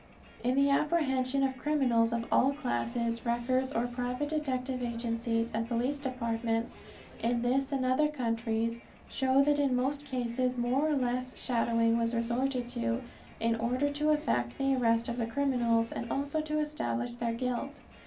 In the apprehension of criminals of all classes, records of private detective agencies and police departments in this and other countries show that in most cases more or less shadowing was resorted to in order to effect the arrest of the criminals, and also to establish their guilt.